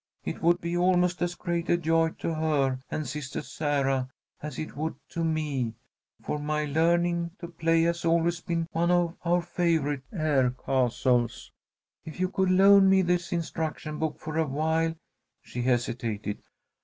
It would be almost as great a joy to her and sister Sarah as it would to me, for my learning to play has always been one of our favourite air castles. If you could loan me this instruction book for awhile " She hesitated.